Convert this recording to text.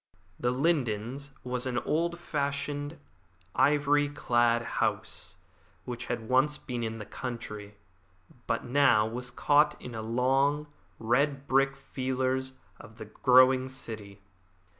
The Lindens was an old fashioned, ivy clad house which had once been in the country, but was now caught in the long, red brick feelers of the growing city.